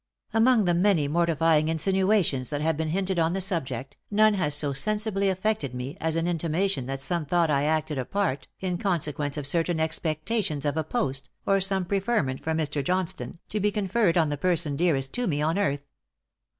"Among the many mortifying insinuations that have been hinted on the subject, none has so sensibly affected me, as an intimation that some thought I acted a part, in consequence of certain expectations of a post, or some preferment from Mr. Johnstone, to be conferred on the person dearest to me on earth.